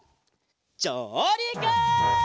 じょうりく！